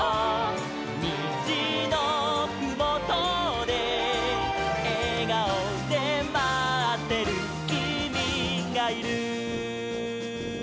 「にじのふもとでえがおでまってるきみがいる」